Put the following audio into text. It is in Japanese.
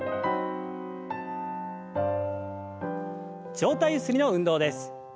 上体ゆすりの運動です。